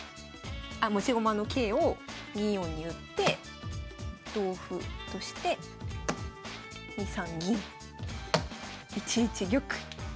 あ持ち駒の桂を２四に打って同歩として２三銀１一玉。